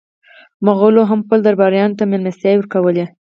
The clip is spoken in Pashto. مغولو هم خپلو درباریانو ته مېلمستیاوې ورکولې.